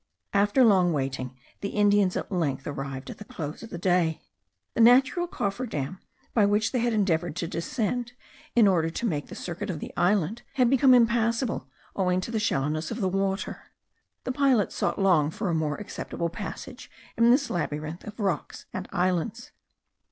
After long waiting, the Indians at length arrived at the close of day. The natural coffer dam by which they had endeavoured to descend in order to make the circuit of the island, had become impassable owing to the shallowness of the water. The pilot sought long for a more accessible passage in this labyrinth of rocks and islands.